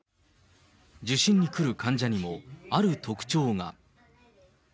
受診に来る患者にも、ある特徴が。